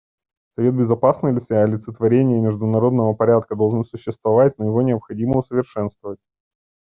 Совет Безопасности, олицетворение международного порядка, должен существовать, но его необходимо усовершенствовать.